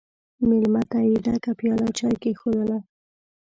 مېلمه ته یې ډکه پیاله چای کښېښودله!